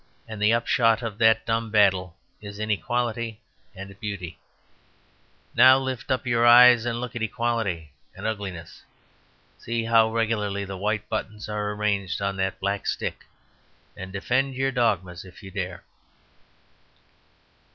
And the upshot of that dumb battle is inequality and beauty. Now lift up your eyes and look at equality and ugliness. See how regularly the white buttons are arranged on that black stick, and defend your dogmas if you dare."